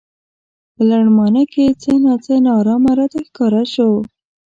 په لړمانه کې څه نا څه نا ارامه راته ښکاره شو.